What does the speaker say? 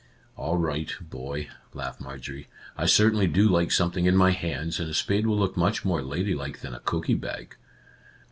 " "All right, boy," laughed Marjorie. "I certainly do like something in my hands, and a spade will look much more ladylike than a cooky bag